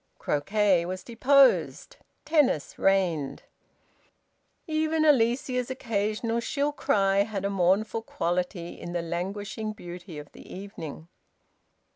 Croquet was deposed; tennis reigned. Even Alicia's occasional shrill cry had a mournful quality in the languishing beauty of the evening.